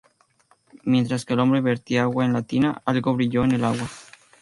Mientras que el hombre vertía agua en la tina, algo brilló en el agua.